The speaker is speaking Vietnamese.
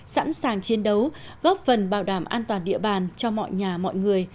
sẵn sàng chiến đấu góp phần bảo đảm an toàn địa bàn cho mọi nhà mọi người